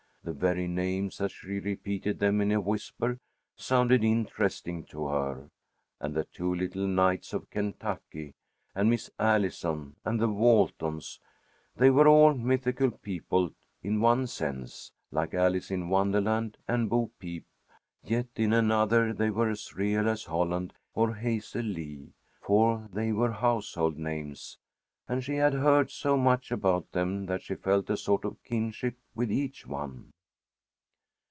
The very names, as she repeated them in a whisper, sounded interesting to her. And the two little knights of Kentucky, and Miss Allison and the Waltons they were all mythical people in one sense, like Alice in Wonderland and Bo peep, yet in another they were as real as Holland or Hazel Lee, for they were household names, and she had heard so much about them that she felt a sort of kinship with each one.